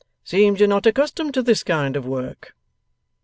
Seems you're not accustomed to this kind of work?